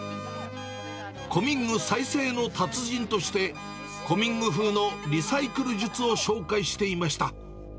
古民具再生の達人として、古民具風のリサイクル術を紹介していました。